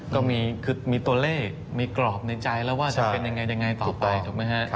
ก็มีตัวเลขมีกรอบในใจแล้วว่าจะเป็นยังไงต่อไปถูกไหมฮะ